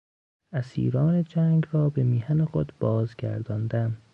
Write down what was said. اسیران جنگ را به میهن خود بازگرداندن